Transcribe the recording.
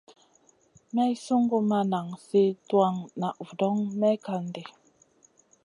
Maï sungu ma nan sli tuwan na vudoŋ may kan ɗi.